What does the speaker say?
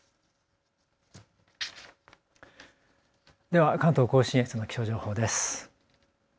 では関東甲信越の気象情報です。